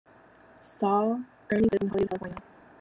Stahl currently lives in Hollywood, California.